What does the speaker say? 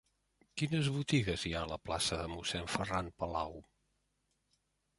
Quines botigues hi ha a la plaça de Mossèn Ferran Palau?